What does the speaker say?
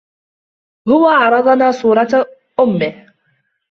هو عرضنا صورةً أمه.